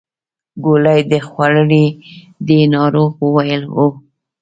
ګولۍ دې خوړلې دي ناروغ وویل هو.